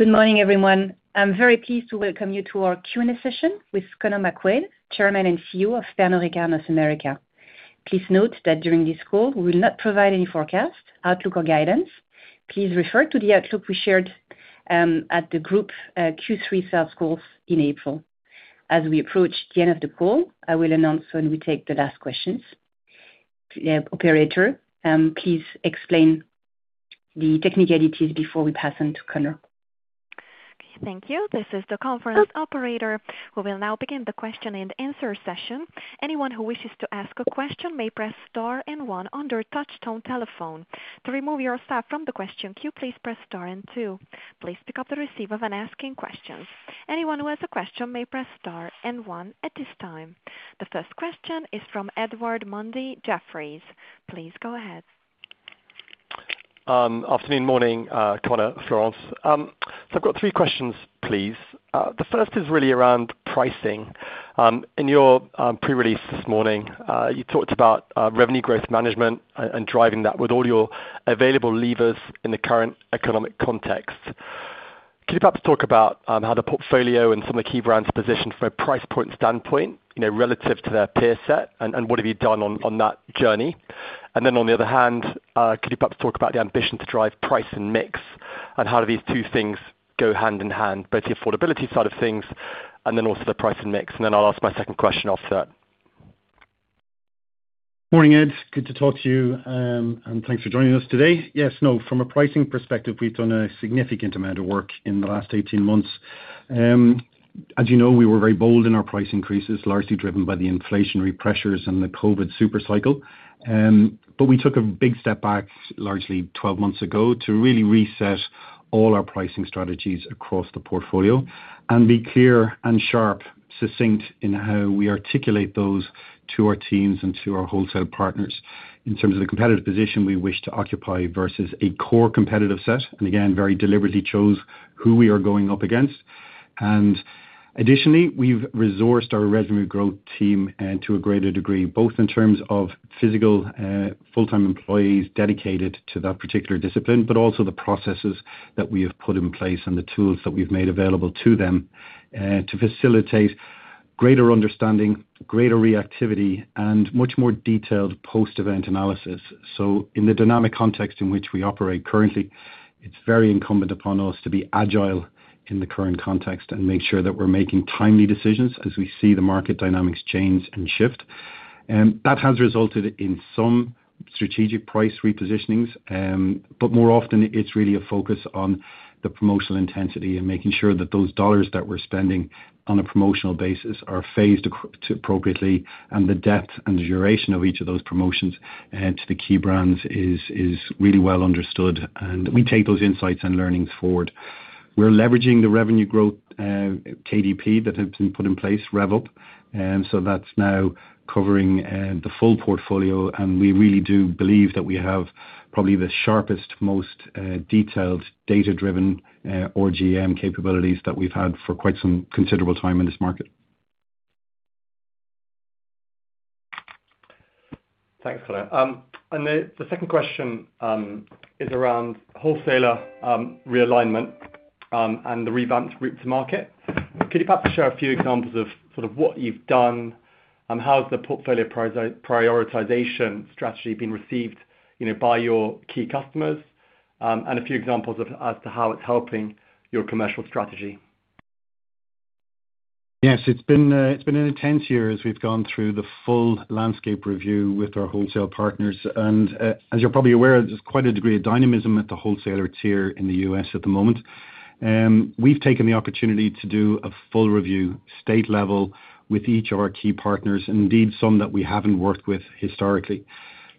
Good morning, everyone. I'm very pleased to welcome you to our Q&A session with Conor McQuaid, Chairman and CEO of Pernod Ricard North America. Please note that during this call, we will not provide any forecast, outlook, or guidance. Please refer to the outlook we shared at the Group Q3 Sales calls in April. As we approach the end of the call, I will announce when we take the last questions. Operator, please explain the technicalities before we pass on to Conor. Thank you. This is the conference operator. We will now begin the question-and-answer session. Anyone who wishes to ask a question may press star and one on your touch-tone telephone. To remove yourself from the question queue, please press star and two. Please pick up the receiver when asking questions. Anyone who has a question may press star and one at this time. The first question is from Edward Mundy Jefferies. Please go ahead. Afternoon, morning, Conor, Florence. I've got three questions, please. The first is really around pricing. In your pre-release this morning, you talked about revenue growth management and driving that with all your available levers in the current economic context. Could you perhaps talk about how the portfolio and some of the key brands are positioned from a price point standpoint relative to their peer set, and what have you done on that journey? On the other hand, could you perhaps talk about the ambition to drive price and mix, and how do these two things go hand in hand, both the affordability side of things and also the price and mix? I'll ask my second question after that. Morning, Ed. Good to talk to you, and thanks for joining us today. Yes, no, from a pricing perspective, we've done a significant amount of work in the last 18 months. As you know, we were very bold in our price increases, largely driven by the inflationary pressures and the COVID super cycle. We took a big step back, largely 12 months ago, to really reset all our pricing strategies across the portfolio and be clear and sharp, succinct in how we articulate those to our teams and to our wholesale partners in terms of the competitive position we wish to occupy versus a core competitive set. Again, very deliberately chose who we are going up against. Additionally, we've resourced our revenue growth team to a greater degree, both in terms of physical full-time employees dedicated to that particular discipline, but also the processes that we have put in place and the tools that we've made available to them to facilitate greater understanding, greater reactivity, and much more detailed post-event analysis. In the dynamic context in which we operate currently, it's very incumbent upon us to be agile in the current context and make sure that we're making timely decisions as we see the market dynamics change and shift. That has resulted in some strategic price repositionings, but more often, it's really a focus on the promotional intensity and making sure that those dollars that we're spending on a promotional basis are phased appropriately, and the depth and the duration of each of those promotions to the key brands is really well understood. We take those insights and learnings forward. We are leveraging the revenue growth management that has been put in place, Rev-Up. That is now covering the full portfolio, and we really do believe that we have probably the sharpest, most detailed, data-driven RGM capabilities that we have had for quite some considerable time in this market. Thanks, Conor. The second question is around wholesaler realignment and the revamped group to market. Could you perhaps share a few examples of sort of what you've done? How has the portfolio prioritization strategy been received by your key customers? A few examples as to how it's helping your commercial strategy? Yes, it's been an intense year as we've gone through the full landscape review with our wholesale partners. As you're probably aware, there's quite a degree of dynamism at the wholesaler tier in the U.S. at the moment. We've taken the opportunity to do a full review state level with each of our key partners, indeed some that we haven't worked with historically.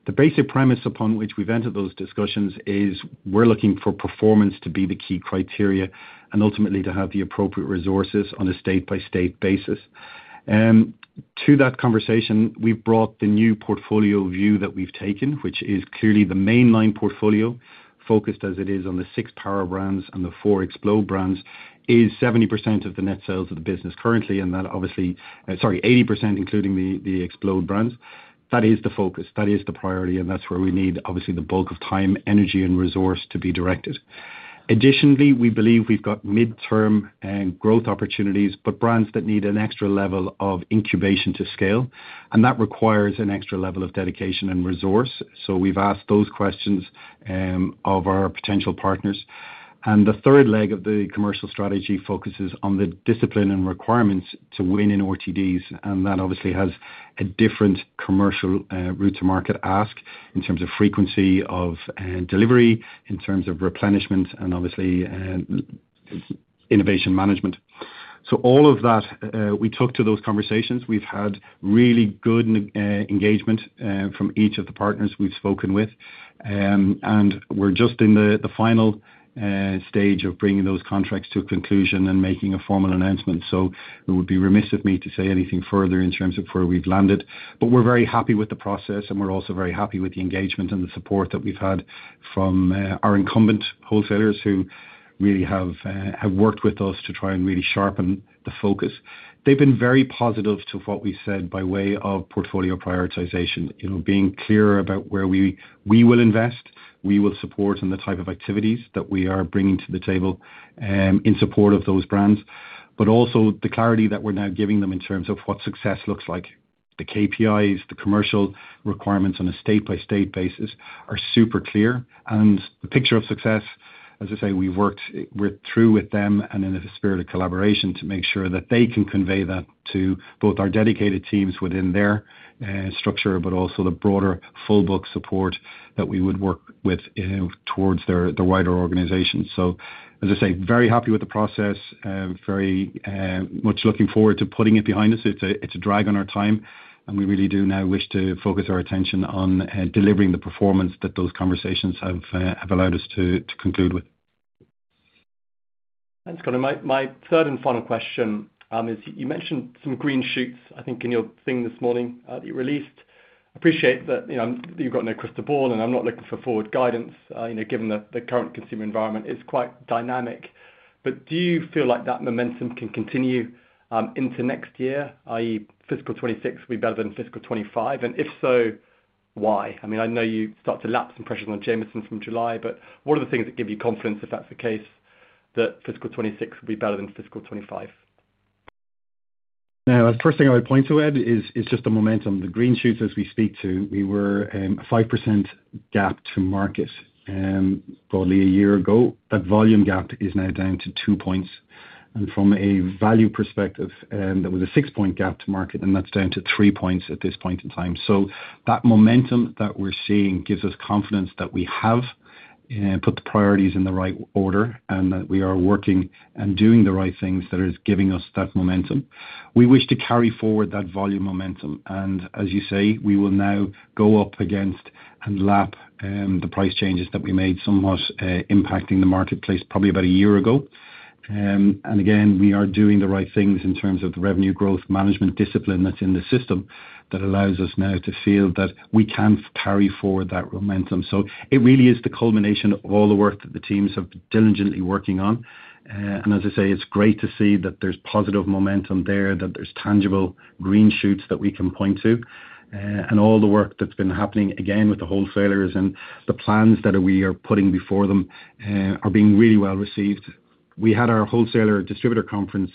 The basic premise upon which we've entered those discussions is we're looking for performance to be the key criteria and ultimately to have the appropriate resources on a state-by-state basis. To that conversation, we brought the new portfolio view that we've taken, which is clearly the mainline portfolio, focused as it is on the six power brands and the four explode brands, is 70% of the net sales of the business currently, and that obviously, sorry, 80% including the explode brands. That is the focus. That is the priority, and that's where we need obviously the bulk of time, energy, and resource to be directed. Additionally, we believe we've got midterm growth opportunities, but brands that need an extra level of incubation to scale, and that requires an extra level of dedication and resource. We've asked those questions of our potential partners. The third leg of the commercial strategy focuses on the discipline and requirements to win in OTDs, and that obviously has a different commercial route-to-market ask in terms of frequency of delivery, in terms of replenishment, and obviously innovation management. All of that, we took to those conversations. We've had really good engagement from each of the partners we've spoken with, and we're just in the final stage of bringing those contracts to a conclusion and making a formal announcement. It would be remiss of me to say anything further in terms of where we've landed, but we're very happy with the process, and we're also very happy with the engagement and the support that we've had from our incumbent wholesalers who really have worked with us to try and really sharpen the focus. They've been very positive to what we said by way of portfolio prioritization, being clear about where we will invest, we will support, and the type of activities that we are bringing to the table in support of those brands, but also the clarity that we're now giving them in terms of what success looks like. The KPIs, the commercial requirements on a state-by-state basis are super clear, and the picture of success, as I say, we've worked through with them and in the spirit of collaboration to make sure that they can convey that to both our dedicated teams within their structure, but also the broader full book support that we would work with towards the wider organization. As I say, very happy with the process, very much looking forward to putting it behind us. It's a drag on our time, and we really do now wish to focus our attention on delivering the performance that those conversations have allowed us to conclude with. Thanks, Conor. My third and final question is you mentioned some green shoots, I think, in your thing this morning that you released. I appreciate that you've got no crystal ball, and I'm not looking for forward guidance given the current consumer environment. It's quite dynamic. Do you feel like that momentum can continue into next year, i.e., fiscal 2026 will be better than fiscal 2025? If so, why? I mean, I know you start to lapse in pressures on Jameson from July, but what are the things that give you confidence, if that's the case, that fiscal 2026 will be better than fiscal 2025? Now, the first thing I would point to, Ed, is just the momentum. The green shoots, as we speak to, we were a 5% gap to market probably a year ago. That volume gap is now down to two points. From a value perspective, that was a six-point gap to market, and that is down to three points at this point in time. That momentum that we are seeing gives us confidence that we have put the priorities in the right order and that we are working and doing the right things that are giving us that momentum. We wish to carry forward that volume momentum. As you say, we will now go up against and lap the price changes that we made somewhat impacting the marketplace probably about a year ago. We are doing the right things in terms of the revenue growth management discipline that is in the system that allows us now to feel that we can carry forward that momentum. It really is the culmination of all the work that the teams have diligently been working on. As I say, it is great to see that there is positive momentum there, that there are tangible green shoots that we can point to. All the work that has been happening, again, with the wholesalers and the plans that we are putting before them are being really well received. We had our wholesaler distributor conference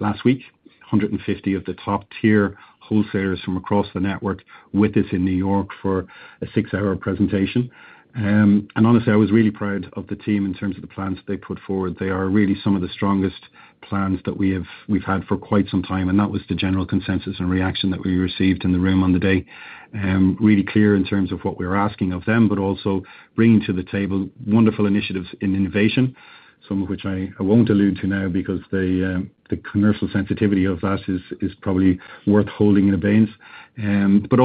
last week, 150 of the top-tier wholesalers from across the network with us in New York for a six-hour presentation. Honestly, I was really proud of the team in terms of the plans they put forward. They are really some of the strongest plans that we've had for quite some time. That was the general consensus and reaction that we received in the room on the day. Really clear in terms of what we were asking of them, but also bringing to the table wonderful initiatives in innovation, some of which I won't allude to now because the commercial sensitivity of that is probably worth holding in a vase.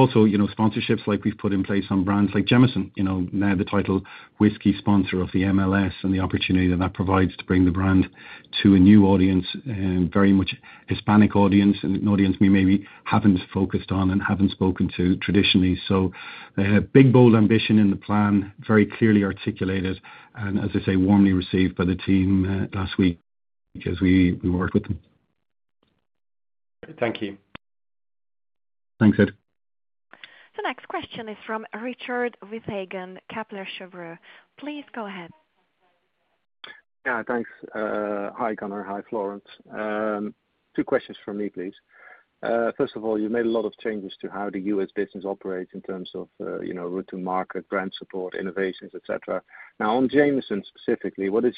Also sponsorships like we've put in place on brands like Jameson, now the title whiskey sponsor of the MLS and the opportunity that that provides to bring the brand to a new audience, a very much Hispanic audience, an audience we maybe haven't focused on and haven't spoken to traditionally. A big, bold ambition in the plan, very clearly articulated, and as I say, warmly received by the team last week as we worked with them. Thank you. Thanks, Ed. The next question is from Richard Withagen, Kepler Cheuvreux. Please go ahead. Yeah, thanks. Hi, Conor. Hi, Florence. Two questions from me, please. First of all, you've made a lot of changes to how the U.S. business operates in terms of route to market, brand support, innovations, et cetera. Now, on Jameson specifically, what is,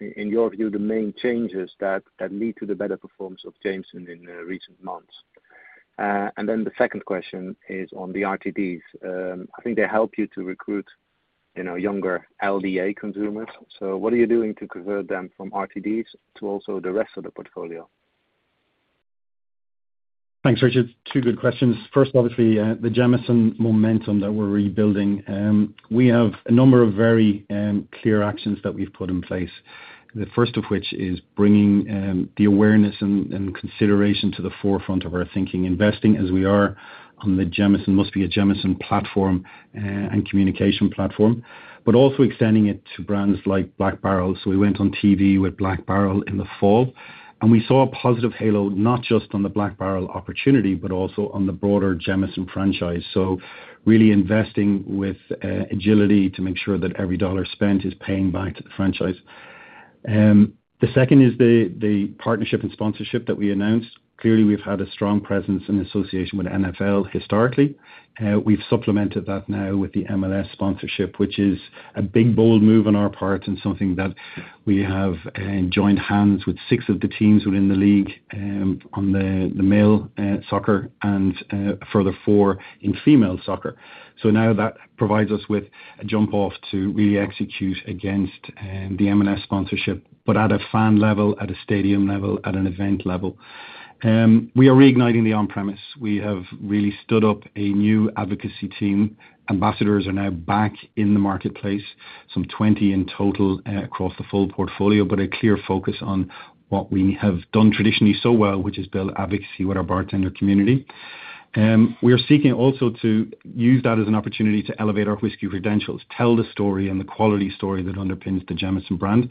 in your view, the main changes that lead to the better performance of Jameson in recent months? The second question is on the RTDs. I think they help you to recruit younger LDA consumers. What are you doing to convert them from RTDs to also the rest of the portfolio? Thanks, Richard. Two good questions. First, obviously, the Jameson momentum that we're rebuilding. We have a number of very clear actions that we've put in place, the first of which is bringing the awareness and consideration to the forefront of our thinking. Investing as we are on the Jameson, Must Be a Jameson platform and communication platform, but also extending it to brands like Black Barrel. We went on TV with Black Barrel in the fall, and we saw a positive halo, not just on the Black Barrel opportunity, but also on the broader Jameson franchise. Really investing with agility to make sure that every dollar spent is paying back to the franchise. The second is the partnership and sponsorship that we announced. Clearly, we've had a strong presence and association with NFL historically. We've supplemented that now with the MLS sponsorship, which is a big, bold move on our part and something that we have joined hands with six of the teams within the league on the male soccer and further four in female soccer. Now that provides us with a jump off to really execute against the MLS sponsorship, but at a fan level, at a stadium level, at an event level. We are reigniting the on-premise. We have really stood up a new advocacy team. Ambassadors are now back in the marketplace, some 20 in total across the full portfolio, but a clear focus on what we have done traditionally so well, which is build advocacy with our bartender community. We are seeking also to use that as an opportunity to elevate our whiskey credentials, tell the story and the quality story that underpins the Jameson brand.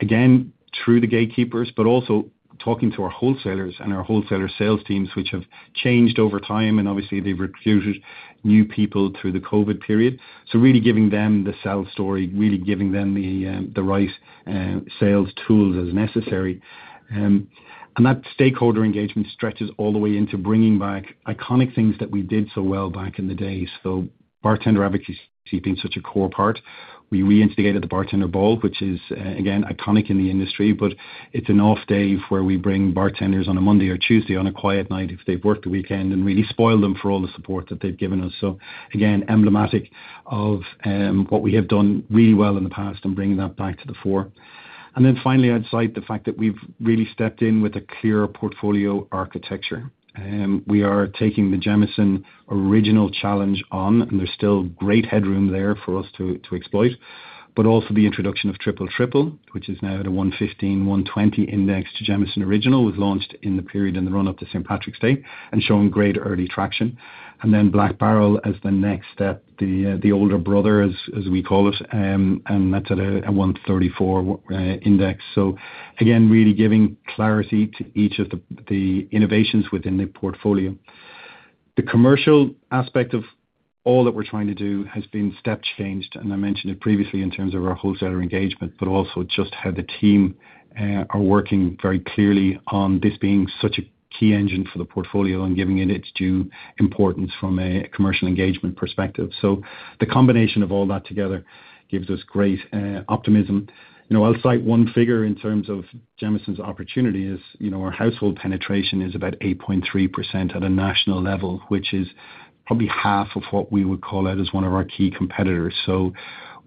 Again, through the gatekeepers, but also talking to our wholesalers and our wholesaler sales teams, which have changed over time, and obviously, they've recruited new people through the COVID period. Really giving them the sell story, really giving them the right sales tools as necessary. That stakeholder engagement stretches all the way into bringing back iconic things that we did so well back in the day. Bartender advocacy being such a core part. We re-instigated the bartender bowl, which is, again, iconic in the industry, but it's an off day where we bring bartenders on a Monday or Tuesday on a quiet night if they've worked the weekend and really spoil them for all the support that they've given us. Again, emblematic of what we have done really well in the past and bringing that back to the fore. Finally, outside the fact that we've really stepped in with a clearer portfolio architecture, we are taking the Jameson original challenge on, and there's still great headroom there for us to exploit, but also the introduction of Triple Triple, which is now at a 115-120 index to Jameson original, was launched in the period in the run-up to St. Patrick's Day and showing great early traction. Black Barrel as the next step, the older brother, as we call it, and that's at a 134 index. Again, really giving clarity to each of the innovations within the portfolio. The commercial aspect of all that we're trying to do has been step-changed, and I mentioned it previously in terms of our wholesaler engagement, but also just how the team are working very clearly on this being such a key engine for the portfolio and giving it its due importance from a commercial engagement perspective. The combination of all that together gives us great optimism. Outside one figure in terms of Jameson's opportunities, our household penetration is about 8.3% at a national level, which is probably half of what we would call out as one of our key competitors.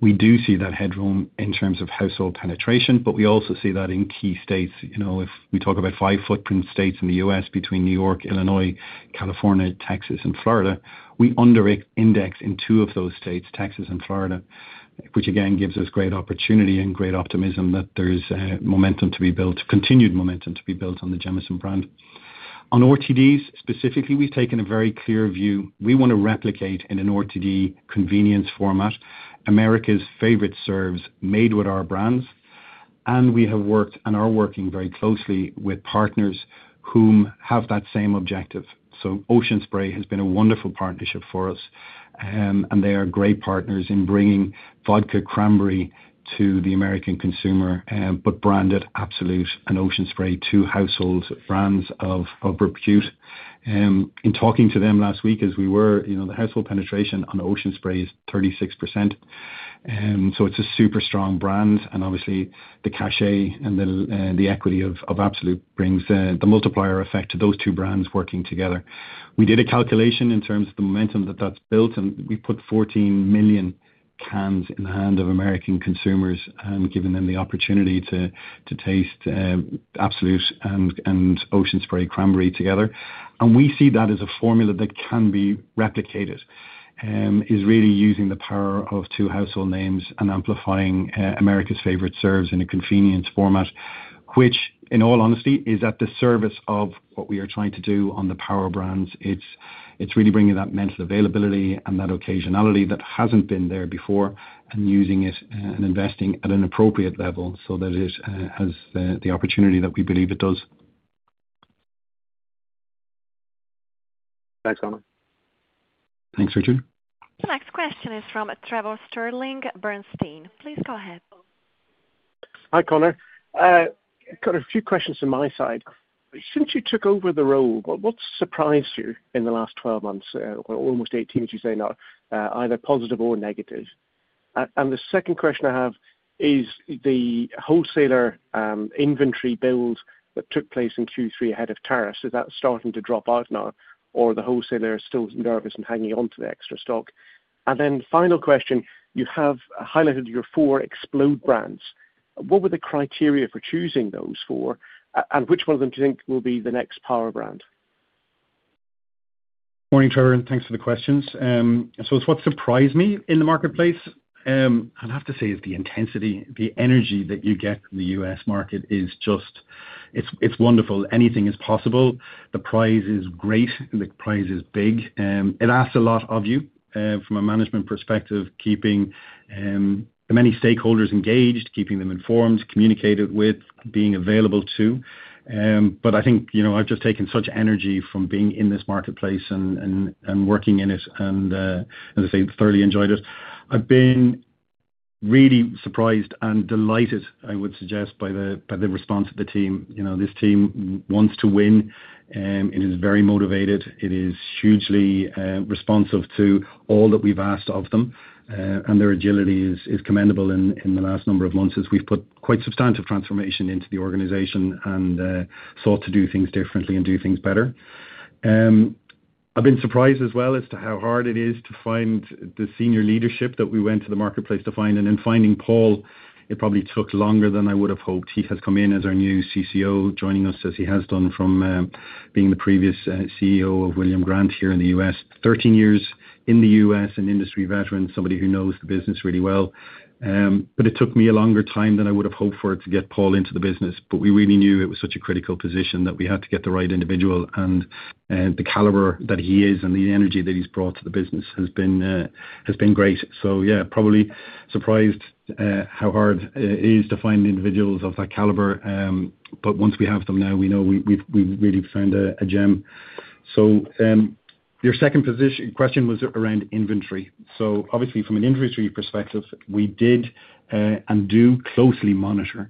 We do see that headroom in terms of household penetration, but we also see that in key states. If we talk about five footprint states in the US between New York, Illinois, California, Texas, and Florida, we under-index in two of those states, Texas and Florida, which again gives us great opportunity and great optimism that there's momentum to be built, continued momentum to be built on the Jameson brand. On RTDs specifically, we've taken a very clear view. We want to replicate in an RTD convenience format, America's favorite serves, made with our brands, and we have worked and are working very closely with partners who have that same objective. Ocean Spray has been a wonderful partnership for us, and they are great partners in bringing vodka cranberry to the American consumer, but branded Absolut and Ocean Spray, two household brands of repute. In talking to them last week, as we were, the household penetration on Ocean Spray is 36%. It's a super strong brand, and obviously, the cachet and the equity of Absolut brings the multiplier effect to those two brands working together. We did a calculation in terms of the momentum that that's built, and we put 14 million cans in the hand of American consumers and given them the opportunity to taste Absolut and Ocean Spray cranberry together. We see that as a formula that can be replicated, is really using the power of two household names and amplifying America's favorite serves in a convenience format, which, in all honesty, is at the service of what we are trying to do on the power brands. It's really bringing that mental availability and that occasionality that hasn't been there before and using it and investing at an appropriate level so that it has the opportunity that we believe it does. Thanks, Conor. Thanks, Richard. The next question is from Trevor Stirling Bernstein. Please go ahead. Hi, Conor. I've got a few questions on my side. Since you took over the role, what surprised you in the last 12 months, almost 18, as you say now, either positive or negative? The second question I have is the wholesaler inventory build that took place in Q3 ahead of tariffs. Is that starting to drop out now, or are the wholesalers still nervous and hanging on to the extra stock? The final question, you have highlighted your four explode brands. What were the criteria for choosing those four, and which one of them do you think will be the next power brand? Morning, Trevor, and thanks for the questions. It is what surprised me in the marketplace. I'd have to say it's the intensity, the energy that you get from the U.S. market is just, it's wonderful. Anything is possible. The prize is great. The prize is big. It asks a lot of you from a management perspective, keeping many stakeholders engaged, keeping them informed, communicated with, being available too. I think I've just taken such energy from being in this marketplace and working in it, and as I say, thoroughly enjoyed it. I've been really surprised and delighted, I would suggest, by the response of the team. This team wants to win. It is very motivated. It is hugely responsive to all that we've asked of them. Their agility is commendable in the last number of months as we've put quite substantive transformation into the organization and sought to do things differently and do things better. I've been surprised as well as to how hard it is to find the senior leadership that we went to the marketplace to find. In finding Paul, it probably took longer than I would have hoped. He has come in as our new CCO, joining us as he has done from being the previous CEO of William Grant here in the U.S. 13 years in the U.S., an industry veteran, somebody who knows the business really well. It took me a longer time than I would have hoped for to get Paul into the business. We really knew it was such a critical position that we had to get the right individual. The caliber that he is and the energy that he's brought to the business has been great. Yeah, probably surprised how hard it is to find individuals of that caliber. Once we have them now, we know we've really found a gem. Your second question was around inventory. Obviously, from an inventory perspective, we did and do closely monitor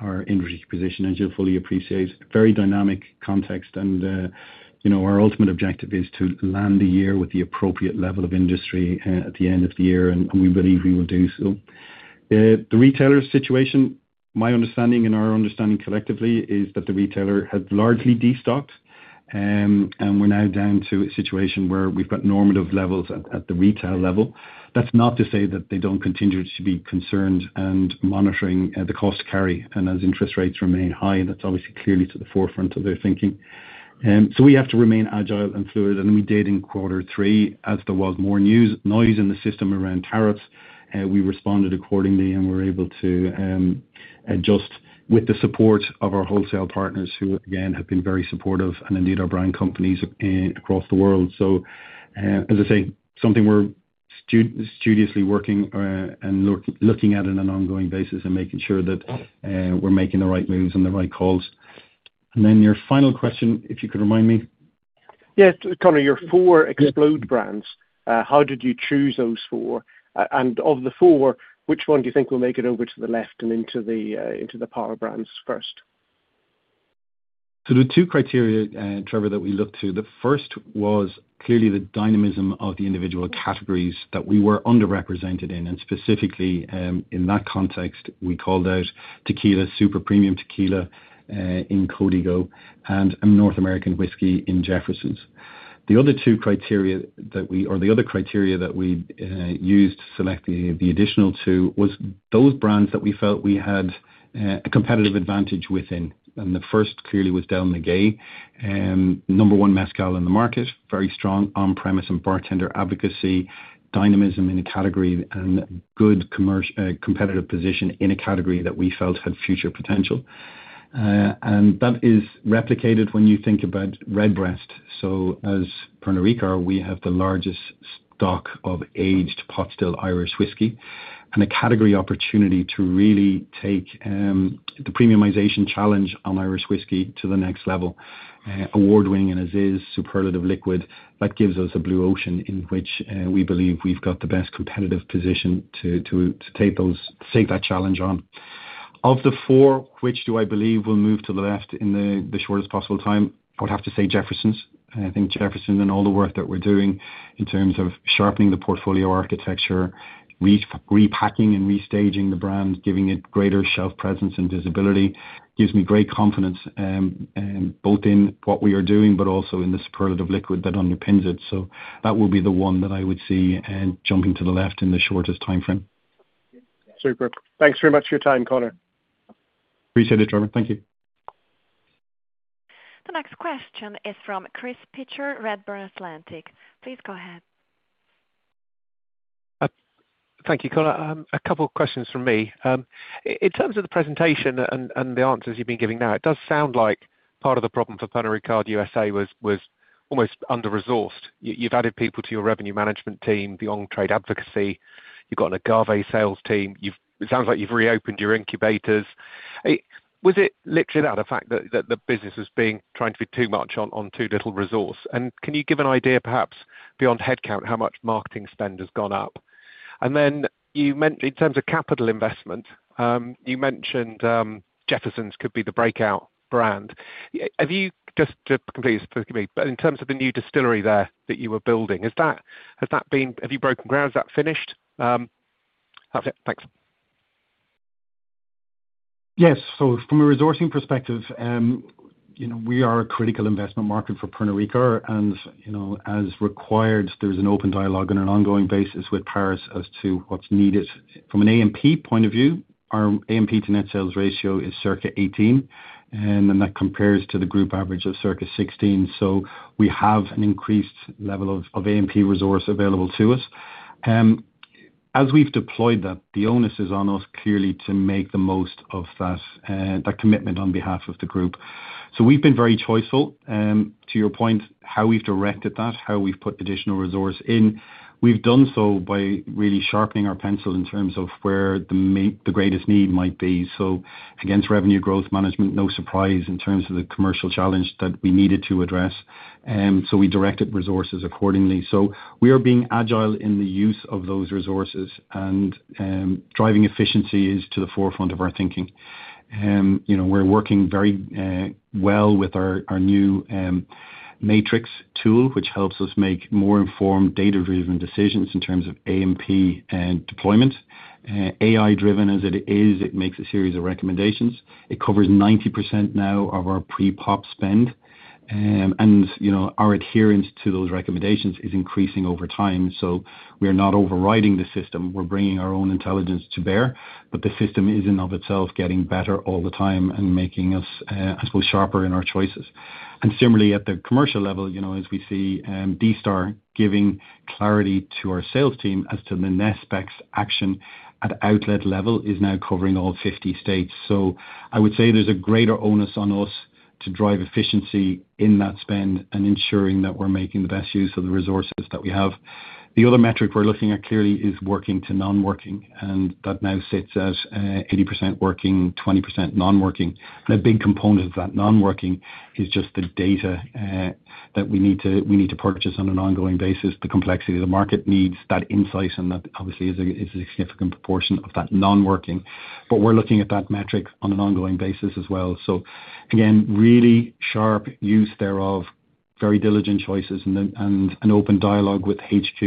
our inventory position, as you'll fully appreciate. Very dynamic context. Our ultimate objective is to land the year with the appropriate level of inventory at the end of the year, and we believe we will do so. The retailer situation, my understanding and our understanding collectively, is that the retailer has largely destocked, and we're now down to a situation where we've got normative levels at the retail level. That's not to say that they don't continue to be concerned and monitoring the cost carry. As interest rates remain high, that's obviously clearly to the forefront of their thinking. We have to remain agile and fluid, and we did in quarter three as there was more noise in the system around tariffs. We responded accordingly and were able to adjust with the support of our wholesale partners who, again, have been very supportive and indeed our brand companies across the world. As I say, something we're studiously working and looking at on an ongoing basis and making sure that we're making the right moves and the right calls. Your final question, if you could remind me. Yeah, Conor, your four explode brands, how did you choose those four? Of the four, which one do you think will make it over to the left and into the power brands first? The two criteria, Trevor, that we looked to, the first was clearly the dynamism of the individual categories that we were underrepresented in. Specifically in that context, we called out tequila, super-premium tequila in Código, and North American whiskey in Jefferson's. The other criteria that we used to select the additional two was those brands that we felt we had a competitive advantage within. The first clearly was Del Maguey, number one mezcal in the market, very strong on-premise and bartender advocacy, dynamism in a category, and good competitive position in a category that we felt had future potential. That is replicated when you think about Redbreast. As Pernod Ricard, we have the largest stock of aged pot still Irish whiskey and a category opportunity to really take the premiumization challenge on Irish whiskey to the next level. Award-winning in Aziz, superlative liquid, that gives us a blue ocean in which we believe we've got the best competitive position to take that challenge on. Of the four, which do I believe will move to the left in the shortest possible time, I would have to say Jefferson's. I think Jefferson and all the work that we're doing in terms of sharpening the portfolio architecture, repacking and restaging the brand, giving it greater shelf presence and visibility, gives me great confidence both in what we are doing, but also in the superlative liquid that underpins it. That will be the one that I would see jumping to the left in the shortest timeframe. Super. Thanks very much for your time, Conor. Appreciate it, Trevor. Thank you. The next question is from Chris Pitcher, Redburn Atlantic. Please go ahead. Thank you, Conor. A couple of questions from me. In terms of the presentation and the answers you've been giving now, it does sound like part of the problem for Pernod Ricard USA was almost under-resourced. You've added people to your revenue management team, the on-trade advocacy. You've got an Agave sales team. It sounds like you've reopened your incubators. Was it literally that, the fact that the business was trying to be too much on too little resource? Can you give an idea, perhaps beyond headcount, how much marketing spend has gone up? In terms of capital investment, you mentioned Jefferson's could be the breakout brand. Just to completely speak with me, but in terms of the new distillery there that you were building, has that been, have you broken ground? Is that finished? That's it. Thanks. Yes. From a resourcing perspective, we are a critical investment market for Pernod Ricard. As required, there is an open dialogue on an ongoing basis with Paris as to what is needed. From an A&P point of view, our A&P to net sales ratio is circa 18%, and that compares to the group average of circa 16%. We have an increased level of A&P resource available to us. As we have deployed that, the onus is on us clearly to make the most of that commitment on behalf of the group. We have been very choiceful. To your point, how we have directed that, how we have put additional resource in, we have done so by really sharpening our pencil in terms of where the greatest need might be. Against revenue growth management, no surprise in terms of the commercial challenge that we needed to address. We directed resources accordingly. We are being agile in the use of those resources and driving efficiency is to the forefront of our thinking. We're working very well with our new matrix tool, which helps us make more informed data-driven decisions in terms of A&P deployment. AI-driven as it is, it makes a series of recommendations. It covers 90% now of our pre-pop spend. Our adherence to those recommendations is increasing over time. We are not overriding the system. We're bringing our own intelligence to bear, but the system is in and of itself getting better all the time and making us, I suppose, sharper in our choices. Similarly, at the commercial level, as we see D-Star giving clarity to our sales team as to the next specs action at outlet level, it is now covering all 50 states. I would say there's a greater onus on us to drive efficiency in that spend and ensuring that we're making the best use of the resources that we have. The other metric we're looking at clearly is working to non-working, and that now sits at 80% working, 20% non-working. A big component of that non-working is just the data that we need to purchase on an ongoing basis. The complexity of the market needs that insight, and that obviously is a significant proportion of that non-working. We're looking at that metric on an ongoing basis as well. Again, really sharp use thereof, very diligent choices, and an open dialogue with HQ.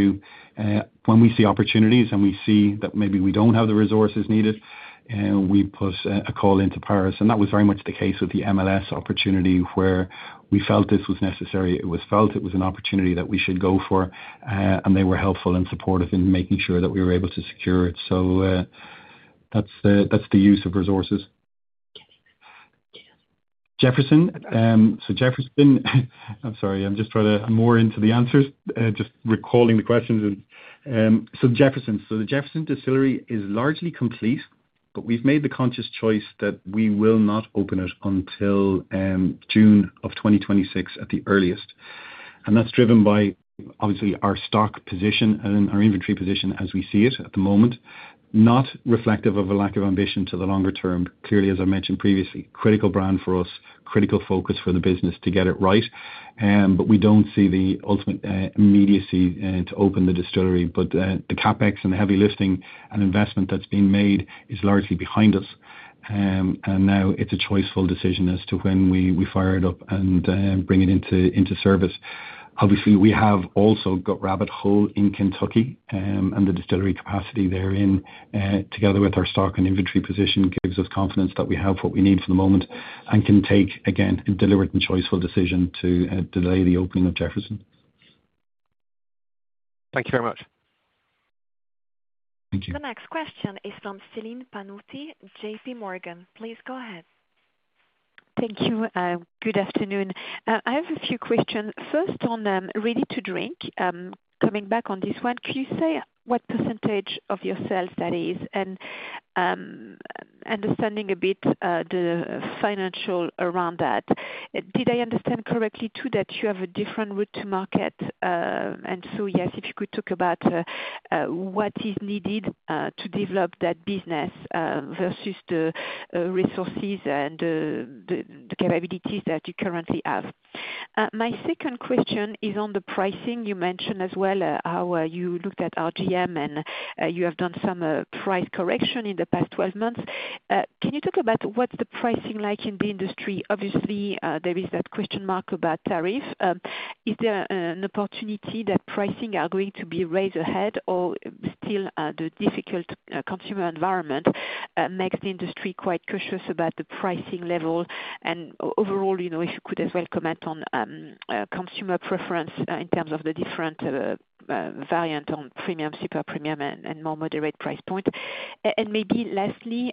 When we see opportunities and we see that maybe we don't have the resources needed, we put a call into Paris. That was very much the case with the MLS opportunity where we felt this was necessary. It was felt it was an opportunity that we should go for, and they were helpful and supportive in making sure that we were able to secure it. That is the use of resources. Jefferson. Jefferson, I am sorry, I am just trying to move more into the answers, just recalling the questions. Jefferson, the Jefferson distillery is largely complete, but we have made the conscious choice that we will not open it until June of 2026 at the earliest. That is driven by, obviously, our stock position and our inventory position as we see it at the moment, not reflective of a lack of ambition to the longer term. Clearly, as I mentioned previously, critical brand for us, critical focus for the business to get it right. We do not see the ultimate immediacy to open the distillery, but the CapEx and the heavy lifting and investment that has been made is largely behind us. Now it is a choiceful decision as to when we fire it up and bring it into service. Obviously, we have also got Rabbit Hole in Kentucky and the distillery capacity therein, together with our stock and inventory position, gives us confidence that we have what we need for the moment and can take, again, a deliberate and choiceful decision to delay the opening of Jefferson. Thank you very much. Thank you. The next question is from Celine Pannuti, JP Morgan. Please go ahead. Thank you. Good afternoon. I have a few questions. First on ready to drink, coming back on this one, could you say what percentage of your sales that is? And understanding a bit the financial around that, did I understand correctly too that you have a different route to market? Yes, if you could talk about what is needed to develop that business versus the resources and the capabilities that you currently have. My second question is on the pricing. You mentioned as well how you looked at RGM, and you have done some price correction in the past 12 months. Can you talk about what is the pricing like in the industry? Obviously, there is that question mark about tariff. Is there an opportunity that pricing are going to be raised ahead, or still the difficult consumer environment makes the industry quite cautious about the pricing level? If you could as well comment on consumer preference in terms of the different variant on premium, super premium, and more moderate price point. Maybe lastly,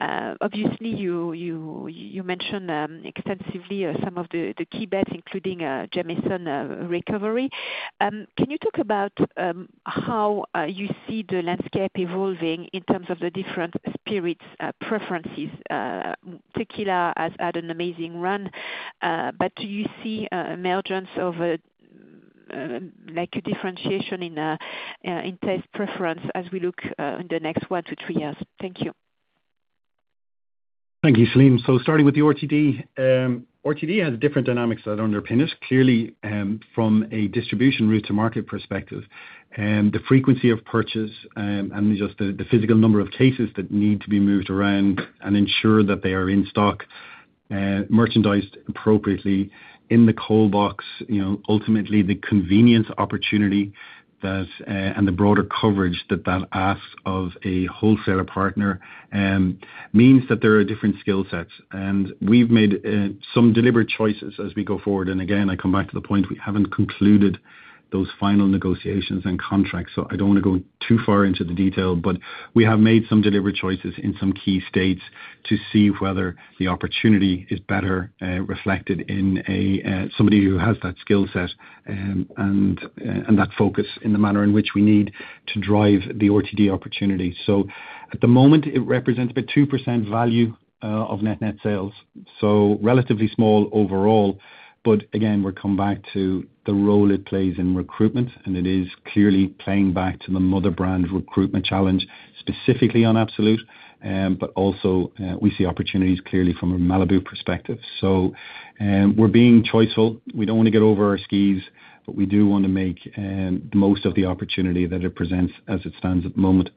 obviously, you mentioned extensively some of the key bets, including Jameson recovery. Can you talk about how you see the landscape evolving in terms of the different spirits preferences? Tequila has had an amazing run, but do you see emergence of a differentiation in taste preference as we look in the next one to three years? Thank you. Thank you, Celine. Starting with the RTD, RTD has different dynamics that underpin us clearly from a distribution route to market perspective. The frequency of purchase and just the physical number of cases that need to be moved around and ensure that they are in stock, merchandised appropriately in the coal box. Ultimately, the convenience opportunity and the broader coverage that that asks of a wholesaler partner means that there are different skill sets. We have made some deliberate choices as we go forward. I come back to the point, we have not concluded those final negotiations and contracts. I do not want to go too far into the detail, but we have made some deliberate choices in some key states to see whether the opportunity is better reflected in somebody who has that skill set and that focus in the manner in which we need to drive the ORTD opportunity. At the moment, it represents about 2% value of net-net sales. Relatively small overall, but again, we are coming back to the role it plays in recruitment, and it is clearly playing back to the mother brand recruitment challenge, specifically on Absolut, but also we see opportunities clearly from a Malibu perspective. We are being choiceful. We do not want to get over our skis, but we do want to make the most of the opportunity that it presents as it stands at the moment.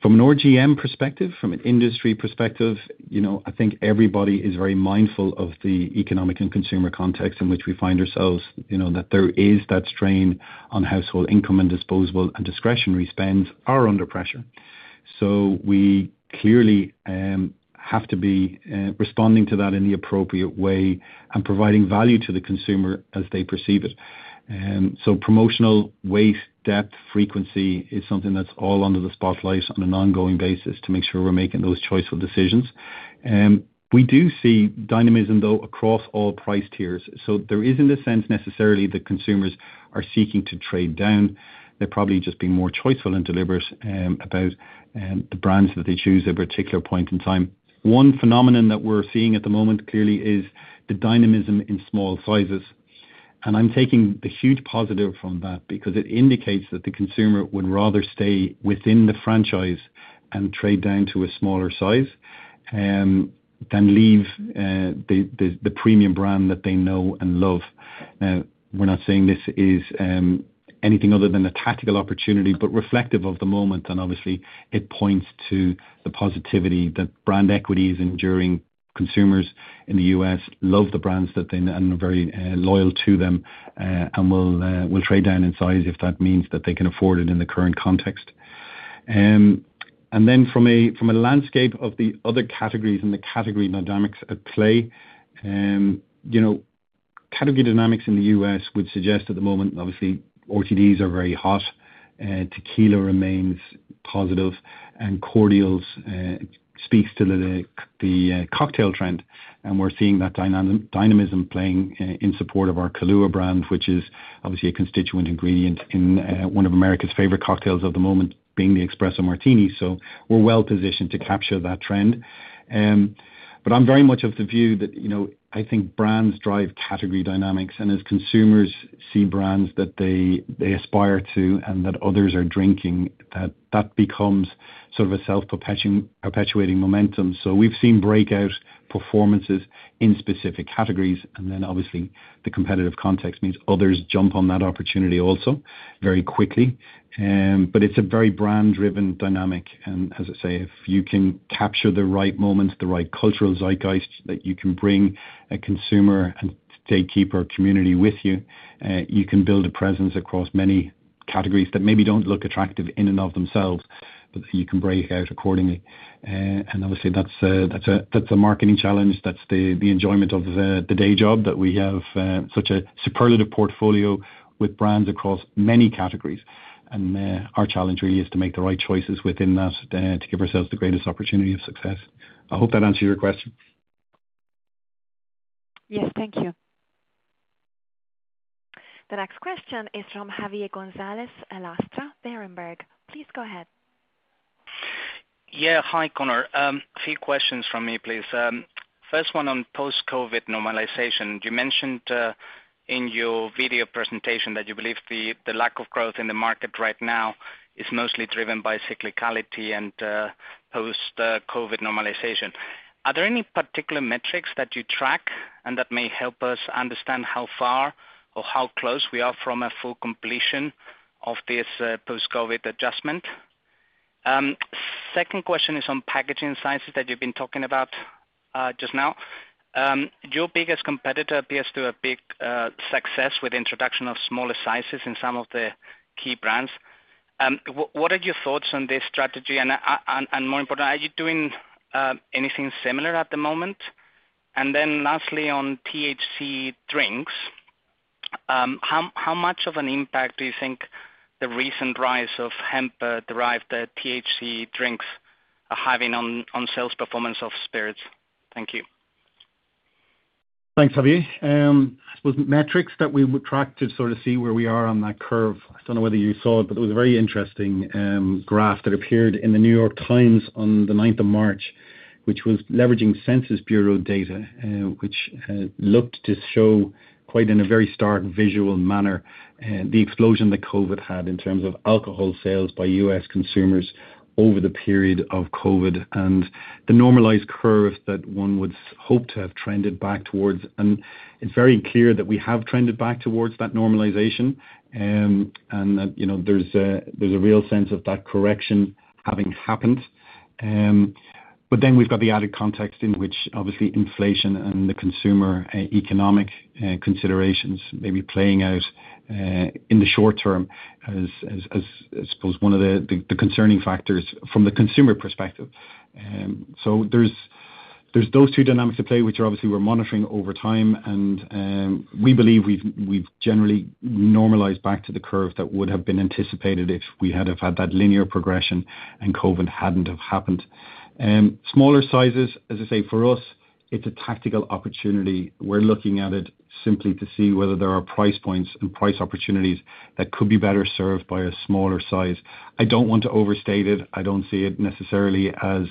From an RGM perspective, from an industry perspective, I think everybody is very mindful of the economic and consumer context in which we find ourselves, that there is that strain on household income and disposable and discretionary spends are under pressure. We clearly have to be responding to that in the appropriate way and providing value to the consumer as they perceive it. Promotional weight, depth, frequency is something that's all under the spotlight on an ongoing basis to make sure we're making those choiceful decisions. We do see dynamism, though, across all price tiers. There is, in a sense, necessarily the consumers are seeking to trade down. They're probably just being more choiceful and deliberate about the brands that they choose at a particular point in time. One phenomenon that we're seeing at the moment clearly is the dynamism in small sizes. I'm taking the huge positive from that because it indicates that the consumer would rather stay within the franchise and trade down to a smaller size than leave the premium brand that they know and love. We're not saying this is anything other than a tactical opportunity, but reflective of the moment. It points to the positivity that brand equity is enduring. Consumers in the U.S. love the brands that they know and are very loyal to them and will trade down in size if that means that they can afford it in the current context. From a landscape of the other categories and the category dynamics at play, category dynamics in the U.S. would suggest at the moment, obviously, RTDs are very hot. Tequila remains positive, and Cordials speaks to the cocktail trend. We're seeing that dynamism playing in support of our Kahlúa brand, which is obviously a constituent ingredient in one of America's favorite cocktails of the moment, being the Espresso Martini. We are well positioned to capture that trend. I'm very much of the view that I think brands drive category dynamics, and as consumers see brands that they aspire to and that others are drinking, that becomes sort of a self-perpetuating momentum. We've seen breakout performances in specific categories, and obviously, the competitive context means others jump on that opportunity also very quickly. It is a very brand-driven dynamic. If you can capture the right moments, the right cultural zeitgeist that you can bring a consumer and gatekeeper community with you, you can build a presence across many categories that maybe do not look attractive in and of themselves, but you can break out accordingly. Obviously, that is a marketing challenge. That is the enjoyment of the day job that we have such a superlative portfolio with brands across many categories. Our challenge really is to make the right choices within that to give ourselves the greatest opportunity of success. I hope that answers your question. Yes, thank you. The next question is from Javier Gonzalez Lastra at Berenberg. Please go ahead. Yeah, hi, Conor. A few questions from me, please. First one on post-COVID normalization. You mentioned in your video presentation that you believe the lack of growth in the market right now is mostly driven by cyclicality and post-COVID normalization. Are there any particular metrics that you track and that may help us understand how far or how close we are from a full completion of this post-COVID adjustment? Second question is on packaging sizes that you've been talking about just now. Your biggest competitor appears to have big success with introduction of smaller sizes in some of the key brands. What are your thoughts on this strategy? More important, are you doing anything similar at the moment? Lastly, on THC drinks, how much of an impact do you think the recent rise of hemp-derived THC drinks are having on sales performance of spirits? Thank you. Thanks, Javier. I suppose metrics that we would track to sort of see where we are on that curve. I do not know whether you saw it, but there was a very interesting graph that appeared in The New York Times on the 9th of March, which was leveraging Census Bureau data, which looked to show quite in a very stark visual manner the explosion that COVID had in terms of alcohol sales by U.S. consumers over the period of COVID and the normalized curve that one would hope to have trended back towards. It is very clear that we have trended back towards that normalization and that there is a real sense of that correction having happened. But then we have the added context in which obviously inflation and the consumer economic considerations may be playing out in the short term as I suppose one of the concerning factors from the consumer perspective. There are those two dynamics at play, which are obviously we are monitoring over time. We believe we have generally normalized back to the curve that would have been anticipated if we had had that linear progression and COVID had not happened. Smaller sizes, as I say, for us, it is a tactical opportunity. We are looking at it simply to see whether there are price points and price opportunities that could be better served by a smaller size. I do not want to overstate it. I do not see it necessarily as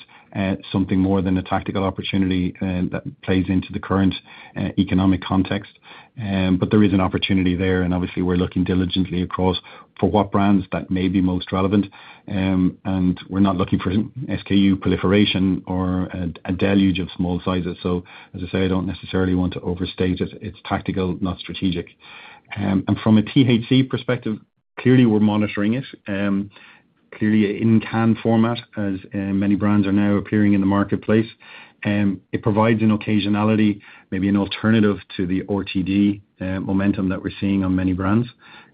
something more than a tactical opportunity that plays into the current economic context. There is an opportunity there. Obviously, we're looking diligently across for what brands that may be most relevant. We're not looking for SKU proliferation or a deluge of small sizes. I don't necessarily want to overstate it. It's tactical, not strategic. From a THC perspective, clearly we're monitoring it. Clearly in can format, as many brands are now appearing in the marketplace. It provides an occasionality, maybe an alternative to the ORTD momentum that we're seeing on many brands.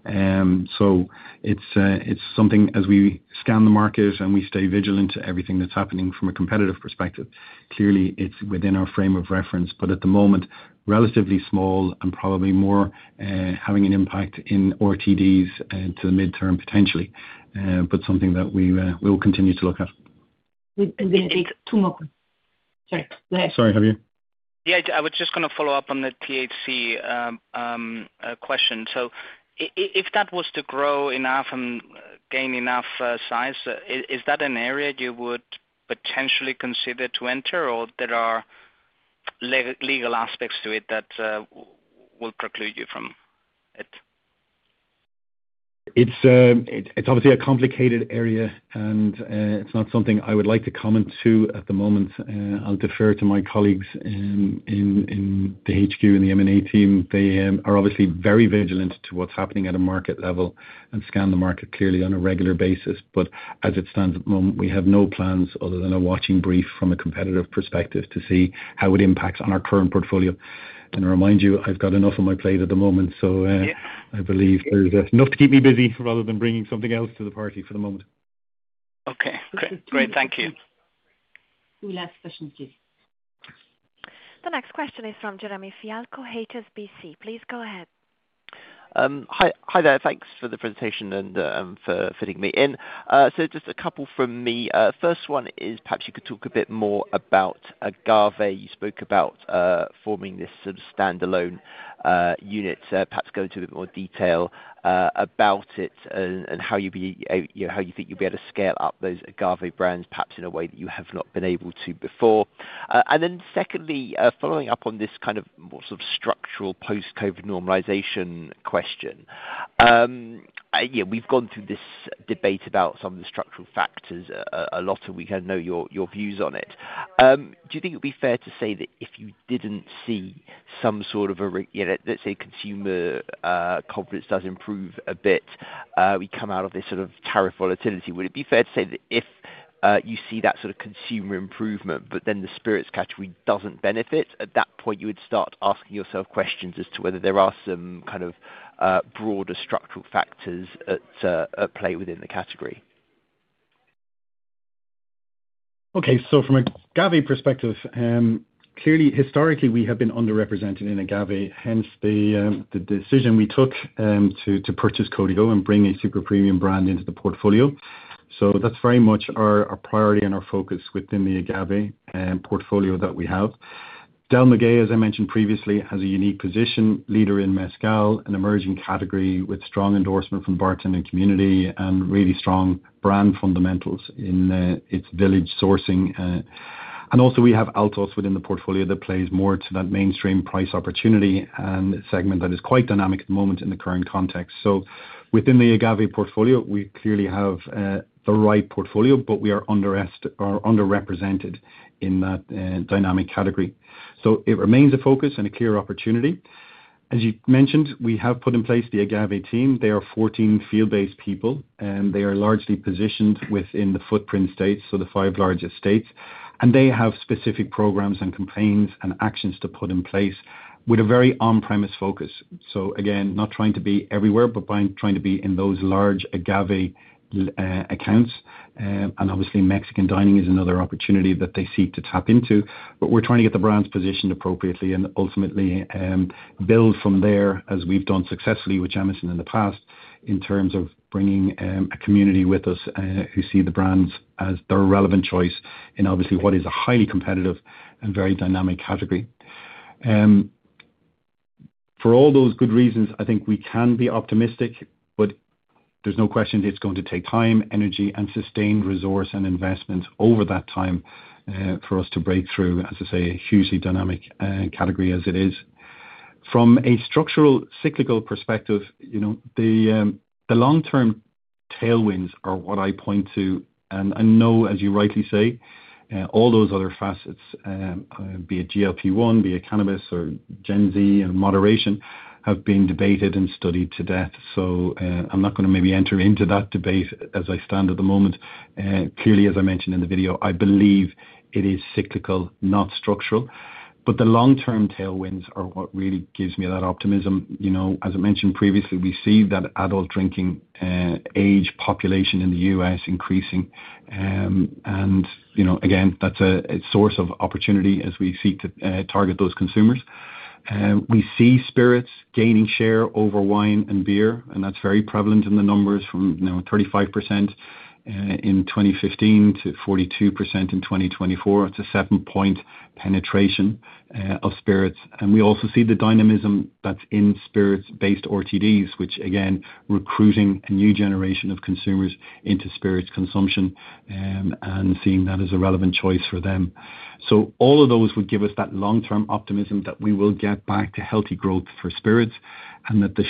It's something as we scan the market and we stay vigilant to everything that's happening from a competitive perspective. Clearly, it's within our frame of reference, but at the moment, relatively small and probably more having an impact in ORTDs to the midterm potentially, but something that we will continue to look at. Sorry, Javier. Yeah, I was just going to follow up on the THC question. If that was to grow enough and gain enough size, is that an area you would potentially consider to enter, or are there legal aspects to it that will preclude you from it? It's obviously a complicated area, and it's not something I would like to comment to at the moment. I'll defer to my colleagues in the HQ and the M&A team. They are obviously very vigilant to what's happening at a market level and scan the market clearly on a regular basis. As it stands at the moment, we have no plans other than a watching brief from a competitive perspective to see how it impacts on our current portfolio. I remind you, I've got enough on my plate at the moment. I believe there's enough to keep me busy rather than bringing something else to the party for the moment. Okay. Great. Thank you. Two last questions, please. The next question is from Jeremy Fialko, HSBC. Please go ahead. Hi there. Thanks for the presentation and for fitting me in. Just a couple from me. First one is perhaps you could talk a bit more about Agave. You spoke about forming this sort of standalone unit, perhaps go into a bit more detail about it and how you think you'll be able to scale up those Agave brands, perhaps in a way that you have not been able to before. Secondly, following up on this kind of more sort of structural post-COVID normalization question, we've gone through this debate about some of the structural factors a lot, and we kind of know your views on it. Do you think it would be fair to say that if you did not see some sort of, let's say, consumer confidence does improve a bit, we come out of this sort of tariff volatility, would it be fair to say that if you see that sort of consumer improvement, but then the spirits category does not benefit, at that point, you would start asking yourself questions as to whether there are some kind of broader structural factors at play within the category? Okay. From an Agave perspective, clearly, historically, we have been underrepresented in Agave. Hence the decision we took to purchase Código and bring a super premium brand into the portfolio. That is very much our priority and our focus within the Agave portfolio that we have. Del Maguey, as I mentioned previously, has a unique position, leader in mezcal, an emerging category with strong endorsement from Barton and community, and really strong brand fundamentals in its village sourcing. Also, we have Altos within the portfolio that plays more to that mainstream price opportunity and segment that is quite dynamic at the moment in the current context. Within the Agave portfolio, we clearly have the right portfolio, but we are underrepresented in that dynamic category. It remains a focus and a clear opportunity. As you mentioned, we have put in place the Agave team. They are 14 field-based people, and they are largely positioned within the footprint states, the five largest states. They have specific programs and complaints and actions to put in place with a very on-premise focus. Again, not trying to be everywhere, but trying to be in those large Agave accounts. Obviously, Mexican dining is another opportunity that they seek to tap into. We are trying to get the brands positioned appropriately and ultimately build from there, as we have done successfully with Jameson in the past, in terms of bringing a community with us who see the brands as their relevant choice in what is obviously a highly competitive and very dynamic category. For all those good reasons, I think we can be optimistic, but there's no question it's going to take time, energy, and sustained resource and investments over that time for us to break through, as I say, a hugely dynamic category as it is. From a structural cyclical perspective, the long-term tailwinds are what I point to. I know, as you rightly say, all those other facets, be it GLP-1, be it Cannabis, or Gen-Z and moderation, have been debated and studied to death. I'm not going to maybe enter into that debate as I stand at the moment. Clearly, as I mentioned in the video, I believe it is cyclical, not structural. The long-term tailwinds are what really gives me that optimism. As I mentioned previously, we see that adult drinking age population in the U.S. increasing. That is a source of opportunity as we seek to target those consumers. We see spirits gaining share over wine and beer, and that is very prevalent in the numbers from 35% in 2015 to 42% in 2024. It is a seven-point penetration of spirits. We also see the dynamism that is in spirits-based RTDs, which are recruiting a new generation of consumers into spirits consumption and seeing that as a relevant choice for them. All of those would give us that long-term optimism that we will get back to healthy growth for spirits and that the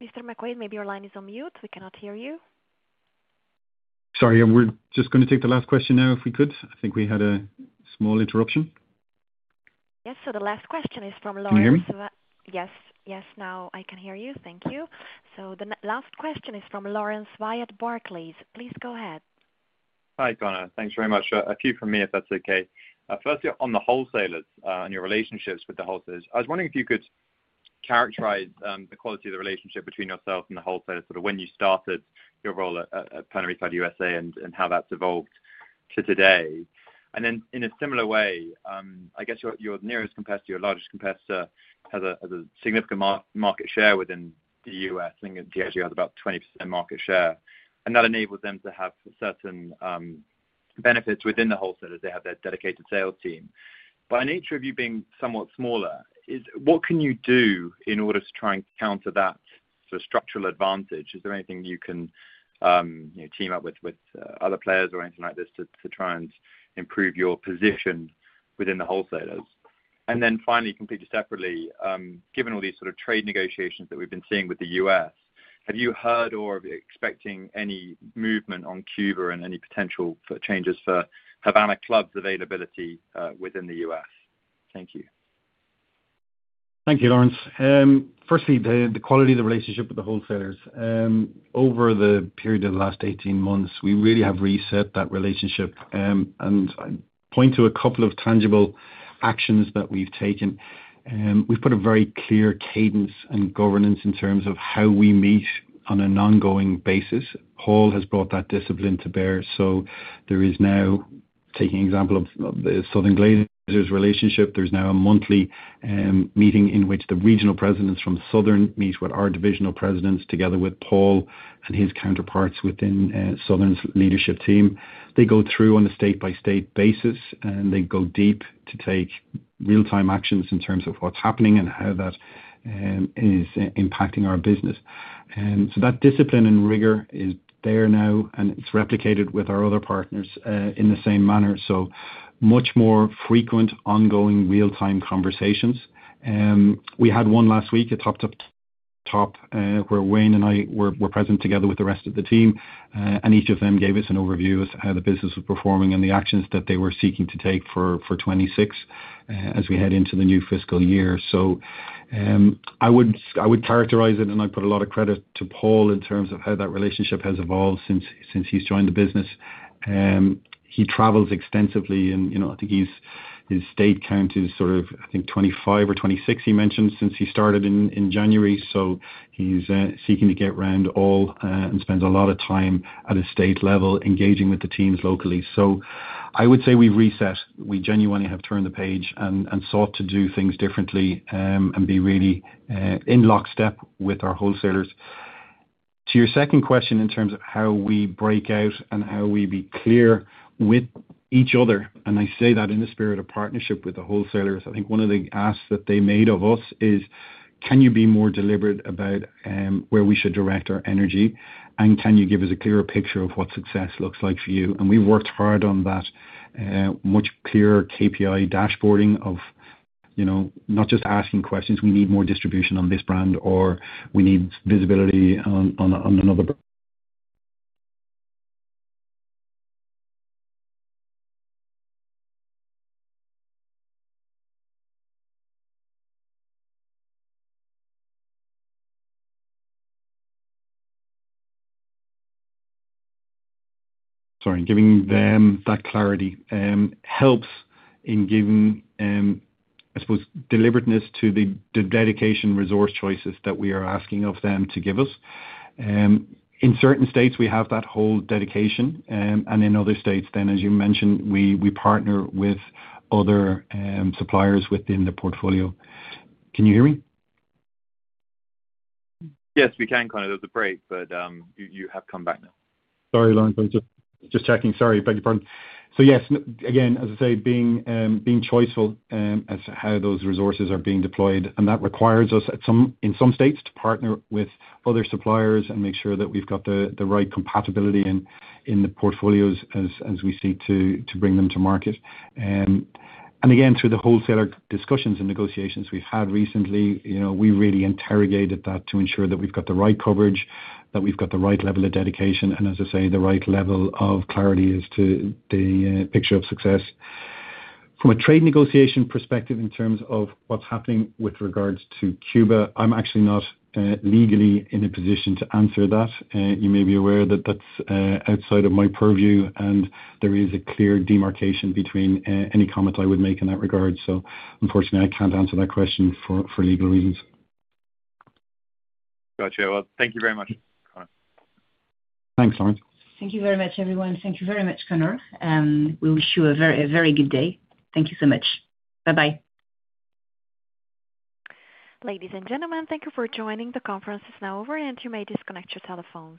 short-term. Mr. McQuaid, maybe your line is on mute. We cannot hear you. Sorry, we're just going to take the last question now if we could. I think we had a small interruption. Yes. The last question is from Lawrence. Can you hear me? Yes. Yes. Now I can hear you. Thank you. So the last question is from Lawrence Wyatt Barclays. Please go ahead. Hi, Conor. Thanks very much. A few from me, if that's okay. Firstly, on the wholesalers and your relationships with the wholesalers, I was wondering if you could characterize the quality of the relationship between yourself and the wholesalers, sort of when you started your role at Pernod Ricard USA and how that's evolved to today. In a similar way, I guess your nearest competitor, your largest competitor, has a significant market share within the U.S. I think Diageo has about 20% market share. That enables them to have certain benefits within the wholesalers. They have their dedicated sales team. By nature of you being somewhat smaller, what can you do in order to try and counter that sort of structural advantage? Is there anything you can team up with other players or anything like this to try and improve your position within the wholesalers? Finally, completely separately, given all these sort of trade negotiations that we have been seeing with the U.S., have you heard or are you expecting any movement on Cuba and any potential changes for Havana Club's availability within the U.S.? Thank you. Thank you, Lawrence. Firstly, the quality of the relationship with the wholesalers. Over the period of the last 18 months, we really have reset that relationship. I point to a couple of tangible actions that we've taken. We've put a very clear cadence and governance in terms of how we meet on an ongoing basis. Paul has brought that discipline to bear. There is now, taking an example of the Southern Glazer's relationship, a monthly meeting in which the regional presidents from Southern meet with our divisional presidents together with Paul and his counterparts within Southern's leadership team. They go through on a state-by-state basis, and they go deep to take real-time actions in terms of what's happening and how that is impacting our business. That discipline and rigor is there now, and it's replicated with our other partners in the same manner. So much more frequent ongoing real-time conversations. We had one last week at Top Top where Wayne and I were present together with the rest of the team, and each of them gave us an overview of how the business was performing and the actions that they were seeking to take for 2026 as we head into the new fiscal year. I would characterize it, and I'd put a lot of credit to Paul in terms of how that relationship has evolved since he's joined the business. He travels extensively, and I think his state count is sort of, I think, 25 or 26, he mentioned, since he started in January. He's seeking to get around all and spends a lot of time at a state level engaging with the teams locally. I would say we've reset. We genuinely have turned the page and sought to do things differently and be really in lockstep with our wholesalers. To your second question in terms of how we break out and how we be clear with each other, and I say that in the spirit of partnership with the wholesalers, I think one of the asks that they made of us is, "Can you be more deliberate about where we should direct our energy, and can you give us a clearer picture of what success looks like for you?" We have worked hard on that much clearer KPI dashboarding of not just asking questions, "We need more distribution on this brand," or, "We need visibility on another brand." Sorry, giving them that clarity helps in giving, I suppose, deliberateness to the dedication resource choices that we are asking of them to give us. In certain states, we have that whole dedication, and in other states then, as you mentioned, we partner with other suppliers within the portfolio. Can you hear me? Yes, we can, Conor. There was a break, but you have come back now. Sorry, Lawrence. I was just checking. Sorry. Thank you, Lawrence. Yes, again, as I say, being choiceful as to how those resources are being deployed. That requires us in some states to partner with other suppliers and make sure that we've got the right compatibility in the portfolios as we seek to bring them to market. Again, through the wholesaler discussions and negotiations we've had recently, we really interrogated that to ensure that we've got the right coverage, that we've got the right level of dedication, and, as I say, the right level of clarity as to the picture of success. From a trade negotiation perspective, in terms of what's happening with regards to Cuba, I'm actually not legally in a position to answer that. You may be aware that that's outside of my purview, and there is a clear demarcation between any comment I would make in that regard. Unfortunately, I can't answer that question for legal reasons. Gotcha. Thank you very much, Conor. Thanks, Lawrence. Thank you very much, everyone. Thank you very much, Conor. We wish you a very good day. Thank you so much. Bye-bye. Ladies, and gentlemen, thank you for joining. The conference is now over, and you may disconnect your telephones.